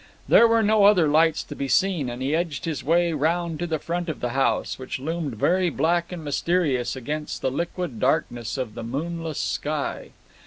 There were no other lights to be seen, and he edged his way round to the front of the house, which loomed very black and mysterious against the liquid darkness of the moonless sky.